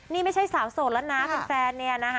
นี่ไม่ใช่สาวโสดแล้วนะเป็นแฟน